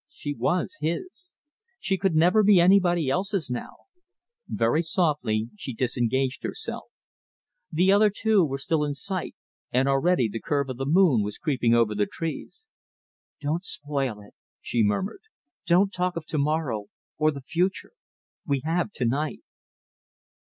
She was his! She could never be anybody else's now. Very softly she disengaged herself. The other two were still in sight, and already the curve of the moon was creeping over the trees. "Don't spoil it," she murmured. "Don't talk of to morrow, or the future! We have to night."...